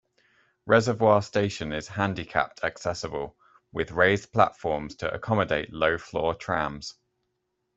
Reservoir station is handicapped accessible, with raised platforms to accommodate low-floor trams.